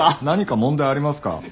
何か問題ありますか？